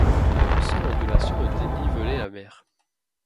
Pas une seule ondulation ne dénivelait la mer.